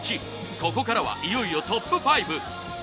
ここからはいよいよトップ５。